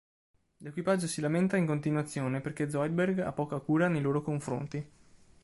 L'equipaggio si lamenta in continuazione perché Zoidberg ha poca cura nei loro confronti.